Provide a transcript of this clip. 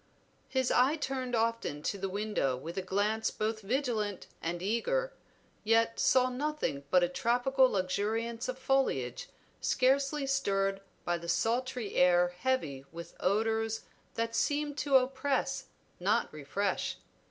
His eye turned often to the window with a glance both vigilant and eager, yet saw nothing but a tropical luxuriance of foliage scarcely stirred by the sultry air heavy with odors that seemed to oppress not refresh.